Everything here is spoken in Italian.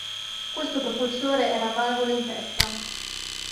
Questo propulsore era a valvole in testa.